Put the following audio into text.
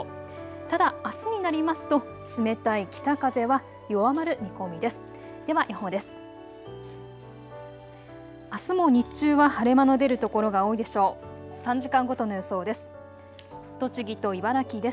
ただあすになりますと冷たい北風は弱まる見込みです。